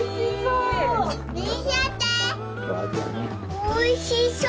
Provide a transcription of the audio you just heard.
おいしそう！